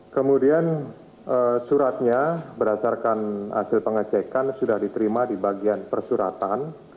kemudian suratnya berdasarkan hasil pengecekan sudah diterima di bagian persuratan